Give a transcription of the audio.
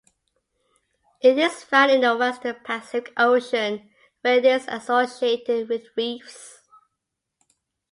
It is found in the western Pacific Ocean where it is associated with reefs.